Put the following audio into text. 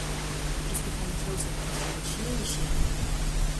Especializouse en fisioloxía e hixiene.